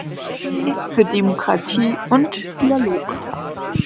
D für Demokratie und Dialog.